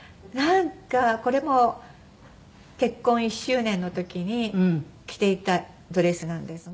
これも結婚１周年の時に着ていたドレスなんですが。